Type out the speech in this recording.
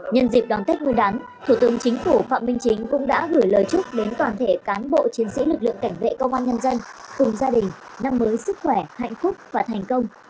nhân dịp đón tết nguyên đáng thủ tướng chính phủ phạm minh chính cũng đã gửi lời chúc đến toàn thể cán bộ chiến sĩ lực lượng cảnh vệ công an nhân dân cùng gia đình năm mới sức khỏe hạnh phúc và thành công